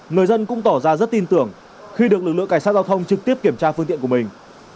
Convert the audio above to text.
người dân cũng tỏ ra rất tin tưởng khi được lực lượng cảnh sát giao thông trực tiếp kiểm tra phương tiện của mình